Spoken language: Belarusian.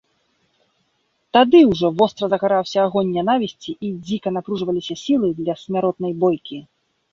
Тады ўжо востра загараўся агонь нянавісці і дзіка напружваліся сілы для смяротнай бойкі.